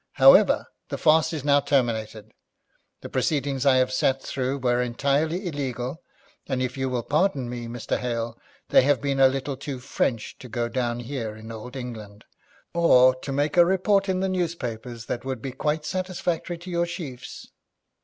However, the farce is now terminated. The proceedings I have sat through were entirely illegal, and if you will pardon me, Mr. Hale, they have been a little too French to go down here in old England, or to make a report in the newspapers that would be quite satisfactory to your chiefs.